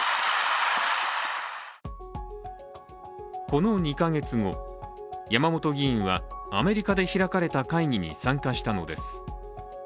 この２ヶ月後、山本議員はアメリカで開かれた会議に参加したのです。